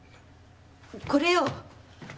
これよ！